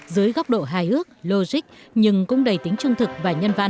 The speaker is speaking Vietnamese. dưới góc độ hài ước logic nhưng cũng đầy tính trung thực và nhân văn